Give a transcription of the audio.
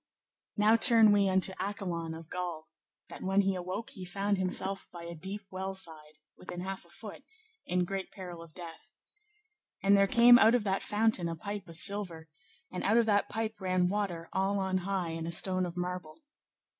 Now turn we unto Accolon of Gaul, that when he awoke he found himself by a deep well side, within half a foot, in great peril of death. And there came out of that fountain a pipe of silver, and out of that pipe ran water all on high in a stone of marble.